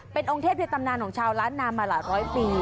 เป็นองเทพที่ตำนานของชาวล้านนามมาหลายปี